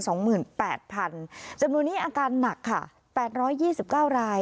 จำนวนนี้อาการหนักค่ะ๘๒๙ราย